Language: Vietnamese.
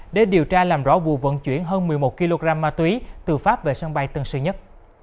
để điều tra làm rõ vụ vận chuyển hơn một mươi một kg ma túy từ pháp về sân bay tân sơn nhất